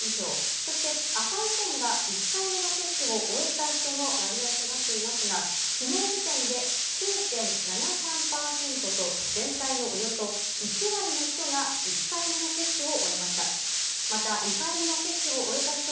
そして赤い線が１回目の接種を終えた人の割合となっていますが、きのう時点で９．７３％と、全体のおよそ１割の人が、１回目の接種を終えました。